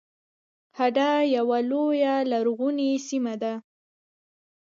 هډه یوه لویه لرغونې سیمه ده